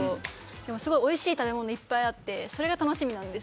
でも、すごいおいしい食べ物がいっぱいあってそれが楽しみなんです。